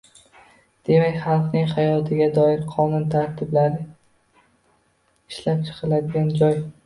Demak, xalqning hayotiga doir qonun-tartiblar ishlab chiqiladigan joy